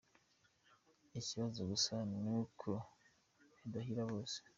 Ikibazo gusa ni uko bidahira bose.